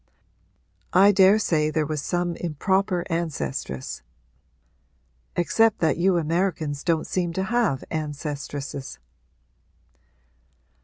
I daresay there was some improper ancestress except that you Americans don't seem to have ancestresses.'